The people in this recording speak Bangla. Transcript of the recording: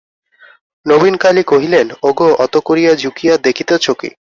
নবীনকালী কহিলেন, ওগো, অত করিয়া ঝুঁকিয়া দেখিতেছ কী?